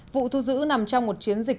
vụ thu giữ nằm trong một chiến dịch